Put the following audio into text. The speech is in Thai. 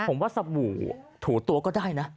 ผมว่าสบู่ถูตัวก็ได้นะ